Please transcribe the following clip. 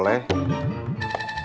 ini cemumun yang bikin